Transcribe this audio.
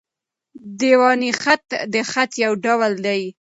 دېواني خط؛ د خط یو ډول دﺉ.